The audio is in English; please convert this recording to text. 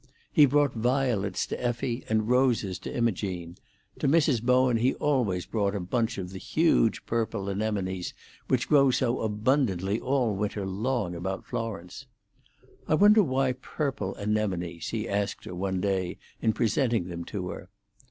He brought violets to Effie and roses to Imogene; to Mrs. Bowen he always brought a bunch of the huge purple anemones which grow so abundantly all winter long about Florence. "I wonder why purple anemones?" he asked her one day in presenting them to her.